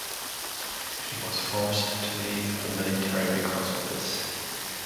He was forced to leave the military because of this.